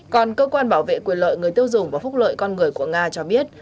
còn cơ quan bảo vệ quyền lợi người tiêu dùng và phúc lợi con người của nga cho biết